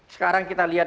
sekarang kita lihat